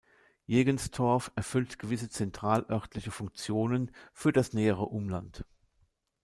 Jegenstorf erfüllt gewisse zentralörtliche Funktionen für das nähere Umland.